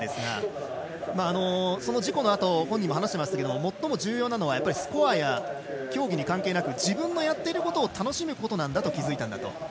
その事故のあと本人も話していましたが最も重要なのはスコアや競技に関係なく自分のやっていることを楽しむことだと気付いたんだと。